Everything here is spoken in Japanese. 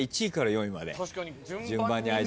１位から４位まで。